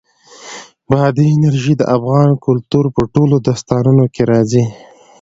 بادي انرژي د افغان کلتور په ټولو داستانونو کې راځي.